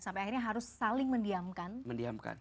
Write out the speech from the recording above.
sampai akhirnya harus saling mendiamkan